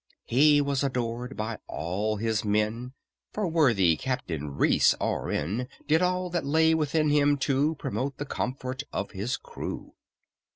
He was adored by all his men, For worthy CAPTAIN REECE, R.N., Did all that lay within him to Promote the comfort of his crew.